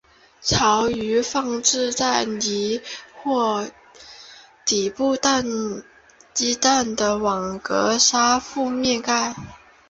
巢由放置在泥或底部鸡蛋的网络的沙覆盖。